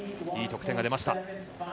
いい得点が出ました。